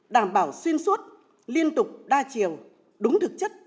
đảm bảo xuyên suốt liên tục đa chiều đúng thực chất